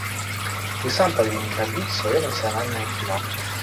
Ты сам павінен рабіць сваё нацыянальнае кіно.